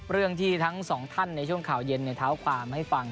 เรื่องที่ทั้งสองท่านในช่วงข่าวเย็นเท้าความให้ฟัง